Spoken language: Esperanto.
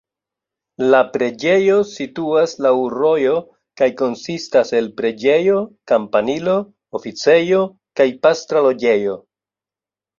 La preĝejo situas laŭ rojo kaj konsistas el preĝejo, kampanilo, oficejo kaj pastra loĝejo.